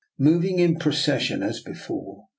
Moving in procession as before, we DR.